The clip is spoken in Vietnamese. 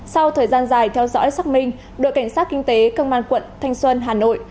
sau thời gian dài theo dõi xác minh đội cảnh sát kinh tế công an quận thanh xuân hà nội